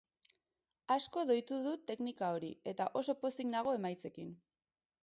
Asko doitu dut teknika hori, eta oso pozik nago emaitzekin.